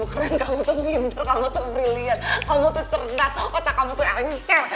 kamu keren kamu tuh pinter kamu tuh brilliant kamu tuh cerdas atau kamu tuh elenyser